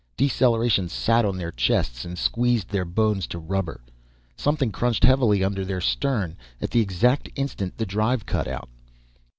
Deceleration sat on their chests and squeezed their bones to rubber. Something crunched heavily under their stern at the exact instant the drive cut out.